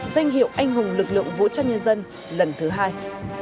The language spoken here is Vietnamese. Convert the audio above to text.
danh hiệu anh hùng lực lượng vũ trang nhân dân lần thứ hai